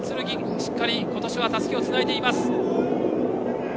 しっかり今年はたすきをつないでいます。